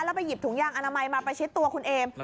แล้วไปหยิบถุงย่างอาณาไมมาไปชิดตัวคุณเอม